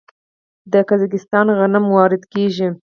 د قزاقستان غنم وارد کیږي.